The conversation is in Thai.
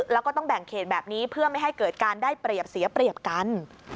แล้วก็ต้องแบ่งเขตแบบนี้เพื่อไม่ให้เกิดการได้เปรียบเสียเปรียบกัน